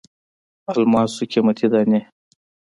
الماسو قیمتي دانې.